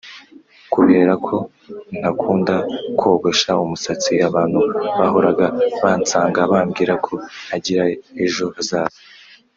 kuberako ntakunda kogosha umusatsi abantu bahoraga bansanga bambwira ko ntagira ejo hazaza.